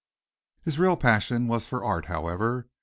His real passion was for art, however.